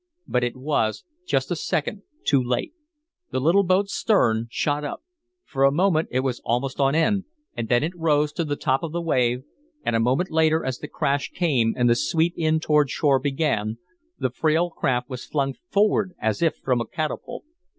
But it was just a second too late. The little boat's stern shot up; for a moment it was almost on end, and then it rose to the top of the wave and a moment later as the crash came and the sweep in toward shore began the frail craft was flung forward as if from a catapult.